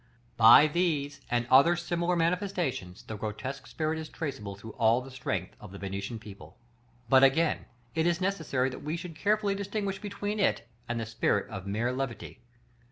By these and other similar manifestations, the grotesque spirit is traceable through all the strength of the Venetian people. But again: it is necessary that we should carefully distinguish between it and the spirit of mere levity.